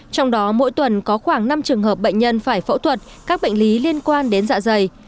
trong đó mỗi tuần có khoảng năm trường hợp bệnh nhân phải phẫu thuật các bệnh lý liên quan đến dạ dày